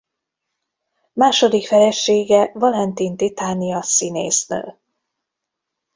Második felesége Valentin Titánia színésznő.